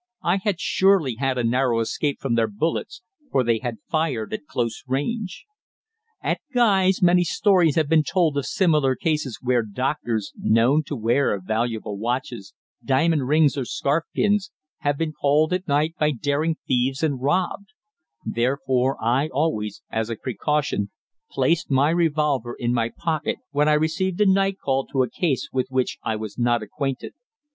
I had surely had a narrow escape from their bullets, for they had fired at close range. At Guy's many stories have been told of similar cases where doctors, known to wear valuable watches, diamond rings or scarf pins, have been called at night by daring thieves and robbed; therefore I always, as precaution, placed my revolver in my pocket when I received a night call to a case with which I was not acquainted.